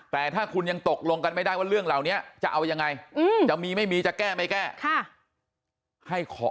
แต่ถ้าคุณยังตกลงกันไม่ได้ว่าเรื่องเหล่านี้จะเอายังไงจะมีไม่มีจะแก้ไม่แก้